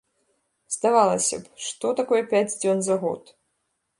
Здавалася б, што такое пяць дзён за год?